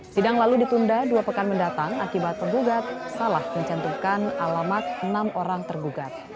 sidang lalu ditunda dua pekan mendatang akibat penggugat salah mencantumkan alamat enam orang tergugat